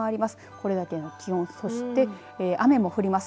これだけの気温、雨も降ります。